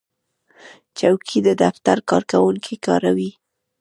چوکۍ د دفتر کارکوونکي کاروي.